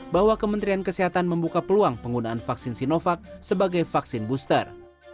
bahwa kementerian kesehatan membuka peluang penggunaan vaksin sinovac sebagai vaksin booster